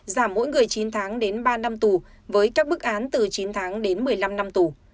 giảm mỗi người chín tháng đến ba năm tù với các bức án từ chín tháng đến một mươi năm năm tù